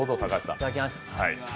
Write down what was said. いただきます。